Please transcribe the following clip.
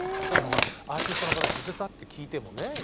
だからほらアーティストの方に直接会って聞いてもね